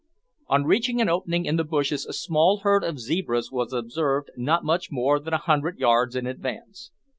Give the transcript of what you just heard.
On reaching an opening in the bushes, a small herd of zebras was observed not much more than a hundred yards in advance.